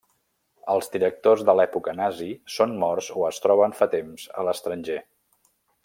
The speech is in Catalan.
Els directors de l'època nazi són morts o es troben fa temps a l'estranger.